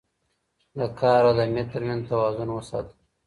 د کار او دمې ترمنځ توازن وساته